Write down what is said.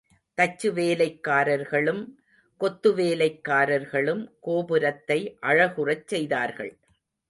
தச்சு வேலைக்காரர்களும் கொத்துவேலைக்காரர்களும், கோபுரத்தை அழகுறச் செய்தார்கள்.